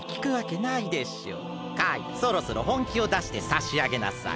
カイそろそろほんきをだしてさしあげなさい。